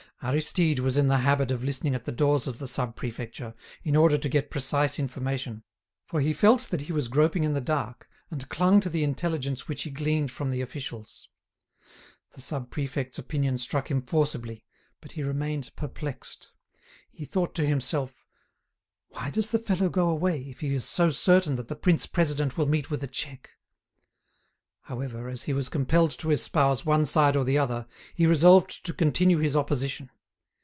Aristide was in the habit of listening at the doors of the Sub Prefecture, in order to get precise information, for he felt that he was groping in the dark, and clung to the intelligence which he gleaned from the officials. The sub prefect's opinion struck him forcibly; but he remained perplexed. He thought to himself: "Why does the fellow go away if he is so certain that the prince president will meet with a check?" However, as he was compelled to espouse one side or the other, he resolved to continue his opposition.